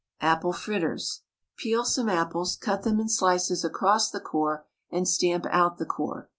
APPLE FRITTERS. Peel some apples, cut them in slices across the core, and stamp out the core.